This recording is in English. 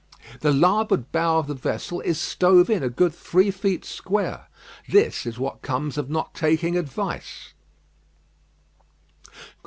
The larboard bow of the vessel is stove in a good three feet square. This is what comes of not taking advice."